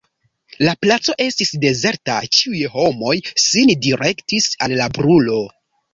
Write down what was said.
La placo estis dezerta: ĉiuj homoj sin direktis al la brulo.